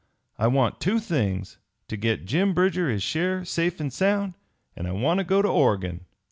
I want two things to get Jim Bridger his share safe and sound; and I want to go to Oregon."